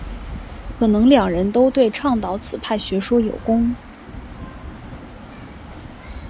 可能两人都对倡导此派学说有功。